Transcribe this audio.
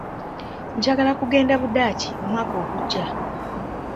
Njagala kugenda Budaaki omwaka ogujja.